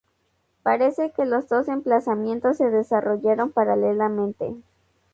Parece que los dos emplazamientos se desarrollaron paralelamente.